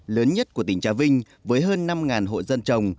lớn nhất của tỉnh trà vinh với hơn năm hộ dân trồng